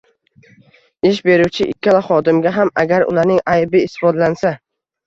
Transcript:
Ish beruvchi ikkala xodimga ham, agar ularning aybi isbotlansa